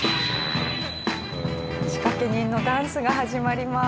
仕掛け人のダンスが始まります。